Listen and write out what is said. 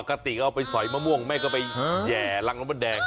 ปกติเอาไปสอยมะม่วงไม่ก็ไปแห่รังน้ำมันแดง